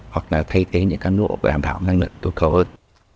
hoặc là thay thế những cán bộ và đảm bảo năng lực tốt cầu hơn